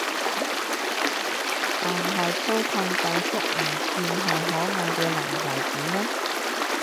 但係粗獷大叔唔算係可愛嘅男孩子咩？